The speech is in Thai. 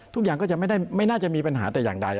ทุกอย่างก็จะไม่น่าจะมีปัญหาแต่อย่างใด